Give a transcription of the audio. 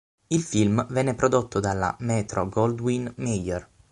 Il film venne prodotto dalla Metro-Goldwyn-Mayer.